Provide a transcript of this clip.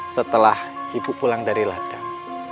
setelah ibu pulang dari ladang